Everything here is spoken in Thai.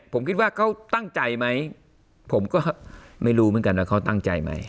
ผมคิดว่าเขาตั้งใจไหมผมก็ไม่รู้เหมือนกันว่าเขาตั้งใจไหม